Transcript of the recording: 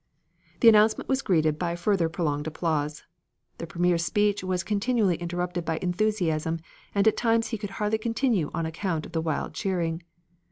The announcement was greeted by further prolonged applause. The Premier's speech was continually interrupted by enthusiasm, and at times he could hardly continue on account of the wild cheering.